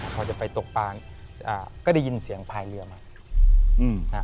พอจะไปตกปานก็ได้ยินเสียงพายเรือมา